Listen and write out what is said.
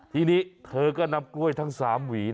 ทีนี้เธอก็นำกล้วยทั้ง๓หวี